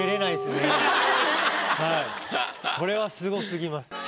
これはすごすぎます。